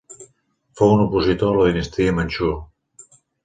Fou un opositor a la dinastia manxú.